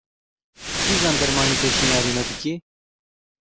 Tu kîjan dermanî pêşniyarî me dikî?